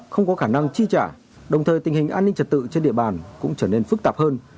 không có khả năng chi trả đồng thời tình hình an ninh trật tự trên địa bàn cũng trở nên phức tạp hơn